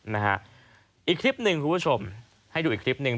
นะฮะอีกคลิปหนึ่งคุณผู้ชมให้ดูอีกคลิปหนึ่ง